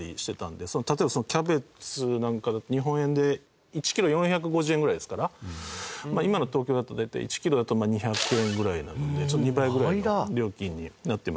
例えばそのキャベツなんかだと日本円で１キロ４５０円ぐらいですから今の東京だと大体１キロだと２００円ぐらいなので２倍ぐらいの料金になってますけど。